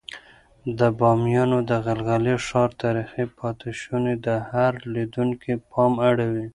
د بامیانو د غلغلي ښار تاریخي پاتې شونې د هر لیدونکي پام اړوي.